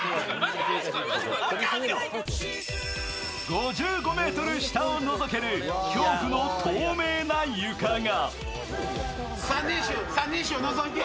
５５ｍ下をのぞける恐怖の透明な床が。